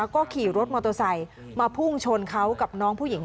ก็ขี่รถมอเตอร์ไซค์มาพุ่งชนเขากับน้องผู้หญิง